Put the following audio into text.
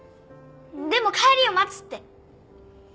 でも帰りを待つって。